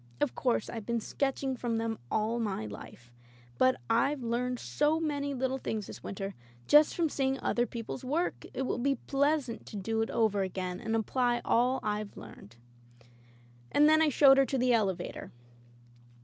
Of course, Tve been sketching from them all my life, but Fve learned so many little things this winter, just from seeing other people's work — ^it will be pleasant to do it over again, and apply all Fve learned." And then I showed her to the elevator.